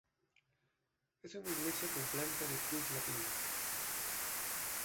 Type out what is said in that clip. Es una iglesia con planta de cruz latina.